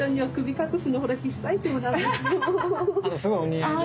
すごいお似合いで。